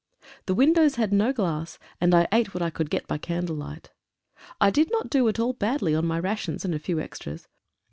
The windows had no glass, and I ate what I could get by candle light. I did not do at all badly on my rations and a few extras.